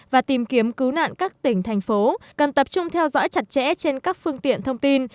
và tìm kiếm cứu nạn các tỉnh thành phố cần tập trung theo dõi chặt chẽ trên các phương tiện thông tin